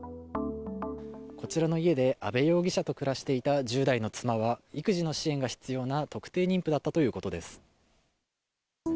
こちらの家で阿部容疑者と暮らしていた１０代の妻は育児の支援が必要な特定妊婦だったということです。